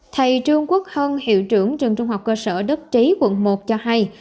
thầy trương quốc hân hiệu trưởng trường trung học cơ sở đức trí quận một cho hay